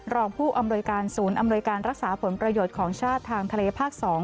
รองผู้อำนวยการศูนย์อำนวยการรักษาผลประโยชน์ของชาติทางทะเลภาค๒